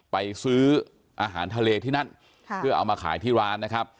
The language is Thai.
ไปซื้ออาหารทะเลที่นั่นเพื่อเอามาขายที่ร้านนะครับ